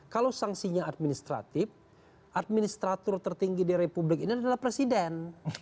kalau sanksinya administratif administrator tertinggi di republik ini adalah presiden